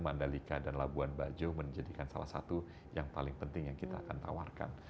mandalika dan labuan bajo menjadikan salah satu yang paling penting yang kita akan tawarkan